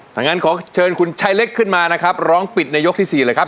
ถ้างั้นขอเชิญคุณชายเล็กขึ้นมานะครับร้องปิดในยกที่๔เลยครับ